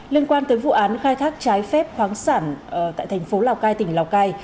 liên quan tới vụ án khai thác trái phép khoáng sản tại thành phố lào cai tỉnh lào cai